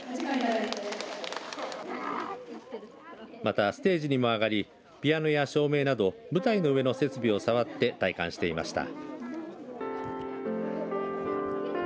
また、ステージにも上がりピアノや照明など舞台の上の設備を触って体感していました。